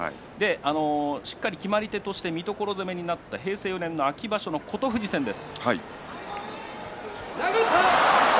しっかりと決まり手として三所攻めになったのが平成４年秋場所の琴富士戦です。